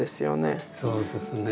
そうですね。